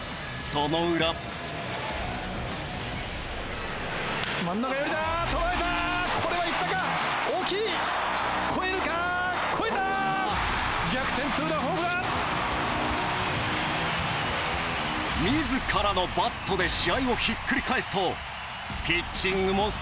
自らのバットで試合をひっくり返すとピッチングもさえます！